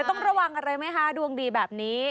ต้องระวังอะไรไหมคะดวงดีแบบนี้